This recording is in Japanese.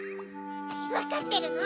わかってるの？